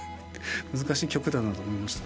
難しい曲だなと思いました。